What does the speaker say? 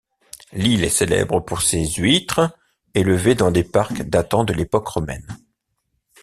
L'île est célèbre pour ses huîtres, élevées dans des parcs datant de l'époque romaine.